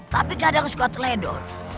tapi kadang suka teledor